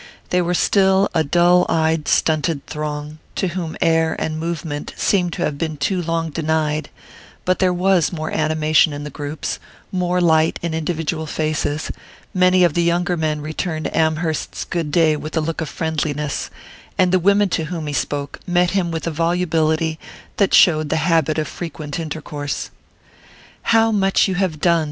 They were still a dull eyed stunted throng, to whom air and movement seemed to have been too long denied; but there was more animation in the groups, more light in individual faces; many of the younger men returned Amherst's good day with a look of friendliness, and the women to whom he spoke met him with a volubility that showed the habit of frequent intercourse. "How much you have done!"